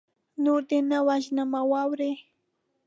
نور دې نه وژنمه واوره